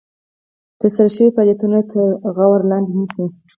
ترسره شوي فعالیتونه تر غور لاندې نیسي.